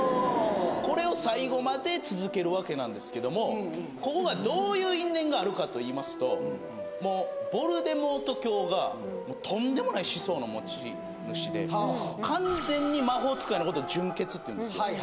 これを最後まで続けるわけなんですけどもここがどういう因縁があるかといいますともうヴォルデモート卿がとんでもない思想の持ち主で完全に魔法使いのことを純血っていうんですよ